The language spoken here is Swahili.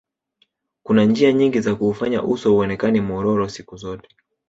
kuna njia nyingi za kuufanya uso uonekane mwororo siku zote